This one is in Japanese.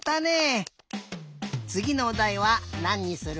つぎのおだいはなんにする？